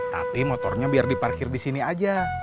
tapi motornya biar di parkir disini aja